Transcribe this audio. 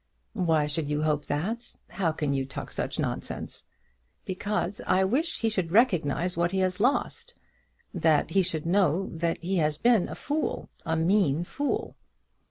"Why should you hope that? How can you talk such nonsense?" "Because I wish that he should recognise what he has lost; that he should know that he has been a fool; a mean fool."